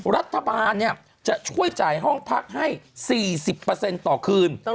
รัฐบาลจะช่วยจ่ายห้องพักให้๔๐ต่อคืน